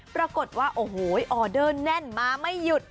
ปรากฏว่าโอ้โหออเดอร์แน่นมาไม่หยุด